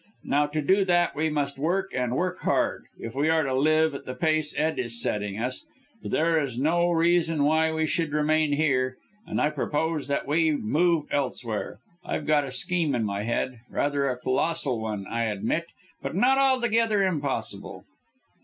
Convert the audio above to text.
Now to do that we must work, and work hard, if we are to live at the pace Ed is setting us but there is no reason why we should remain here, and I propose that we move elsewhere. I've got a scheme in my head, rather a colossal one I admit, but not altogether impossible."